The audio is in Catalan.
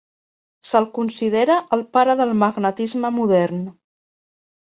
Se'l considera el pare del magnetisme modern.